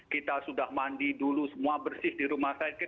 kita sudah mandi dulu semua bersih di rumah sakit